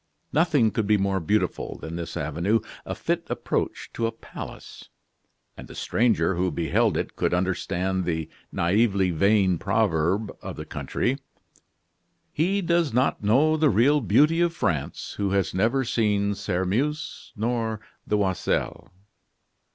Nothing could be more beautiful than this avenue, a fit approach to a palace; and the stranger who beheld it could understand the naively vain proverb of the country: "He does not know the real beauty of France, who has never seen Sairmeuse nor the Oiselle."